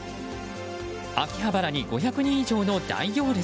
秋葉原に５００人以上の大行列。